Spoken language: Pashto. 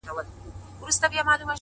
راهب په کليسا کي مردار ښه دی؛ مندر نسته